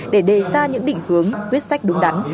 để đề ra những định hướng quyết sách đúng đắn